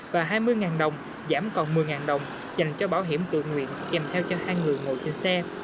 và hai mươi đồng giảm còn một mươi đồng dành cho bảo hiểm tự nguyện kèm theo chân hai người ngồi trên xe